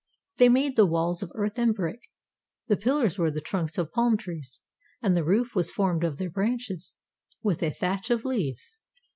They made the walls of earth and brick. The pillars were the trunks of palm trees, and the roof was formed of their branches with a thatch of leaves.